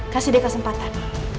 kasih dia kesempatan